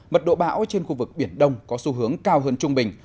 mật độ bão trên khu vực biển đông có xu hướng cao hơn trung bình